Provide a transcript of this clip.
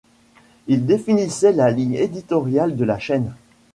Il définissait la ligne éditoriale de la chaîne.